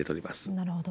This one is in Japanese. なるほど。